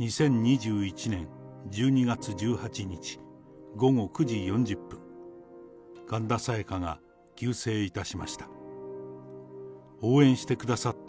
２０２１年１２月１８日午後９時４０分、神田沙也加が急逝いたしました。